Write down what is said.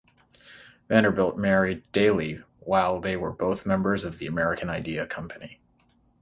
Vanderbilt married Dailey while they were both members of "The American Idea" company.